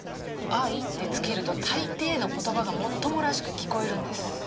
「愛」って付けると大抵の言葉がもっともらしく聞こえるんです。